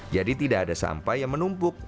jadi tidak ada sampah yang menumpuk